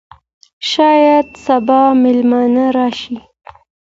شاید سبا مېلمانه راشي.